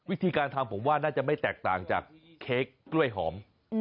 เอาลิ้นเดียวพอ